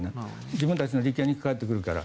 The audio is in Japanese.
自分たちの利権に関わってくるから。